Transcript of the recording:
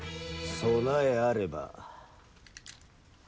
備えあれば。